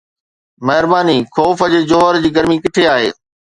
مهرباني، خوف جي جوهر جي گرمي ڪٿي آهي؟